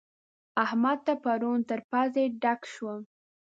احمد ته پرون تر پزې ډک شوم.